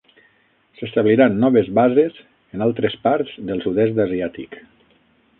S'establiran noves bases en altres parts del sud-est asiàtic.